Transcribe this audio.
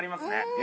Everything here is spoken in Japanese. え！？